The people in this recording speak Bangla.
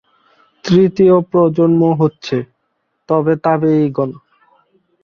তৃতীয় প্রজন্ম হচ্ছে- তাবে-তাবেয়ীগণ।